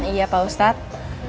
iya pak ustadz